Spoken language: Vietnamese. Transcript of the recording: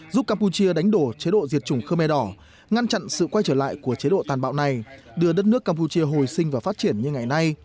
đối với chế độ diệt chủng khmer đỏ ngăn chặn sự quay trở lại của chế độ tàn bạo này đưa đất nước campuchia hồi sinh và phát triển như ngày nay